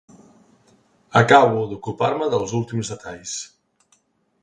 Acabo d'ocupar-me dels últims detalls.